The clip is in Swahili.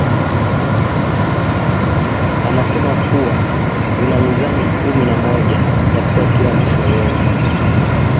anasema kuwa zina mizani kumi na moja katika kila mshororo